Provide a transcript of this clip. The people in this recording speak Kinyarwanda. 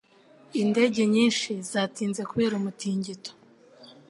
Indege nyinshi zatinze kubera umutingito.